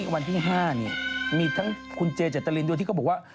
วันที่๕มีทั้งคุณเจเจตรินด้วยที่เขาบอกว่า